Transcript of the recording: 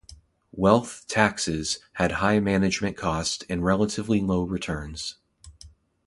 Wealth taxes had high management cost and relatively low returns.